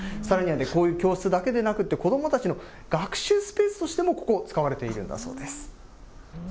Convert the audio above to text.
さらにはこういう教室だけでなくって、子どもたちの学習スペースとしても、ここ、使われているんだそうです。